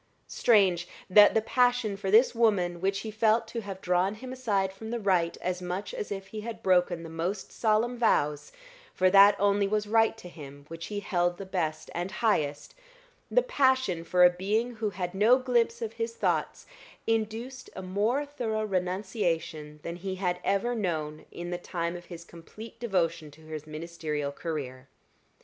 Strange! that the passion for this woman, which he felt to have drawn him aside from the right as much as if he had broken the most solemn vows for that only was right to him which he held the best and highest the passion for a being who had no glimpse of his thoughts induced a more thorough renunciation than he had ever known in the time of his complete devotion to his ministerial career.